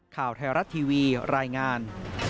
ข่าวไทยรัฐทีวีรายงาน